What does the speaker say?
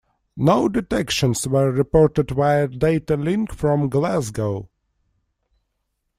No detections were reported via data link from "Glasgow".